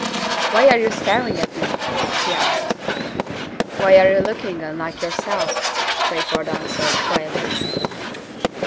"Why are you staring at me?" he asked. "Why are you looking unlike yourself?" Crayford answered, quietly.